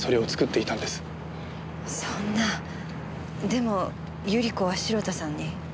でも百合子は城田さんに。